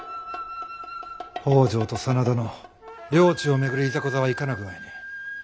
北条と真田の領地を巡るいざこざはいかな具合に？